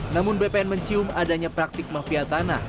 namun bpn mencium adanya praktik mafia tanah